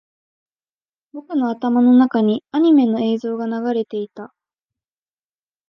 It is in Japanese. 僕の頭の中にアニメの映像が流れていた